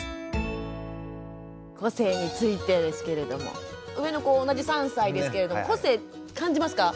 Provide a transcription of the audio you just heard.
個性についてですけれども上の子同じ３歳ですけれども個性感じますか？